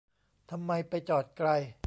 ทำไมไปจอดไกล